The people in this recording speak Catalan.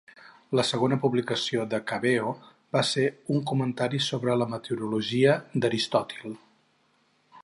La segona publicació de Cabeo va ser un comentari sobre la "Meteorologia" d'Aristòtil.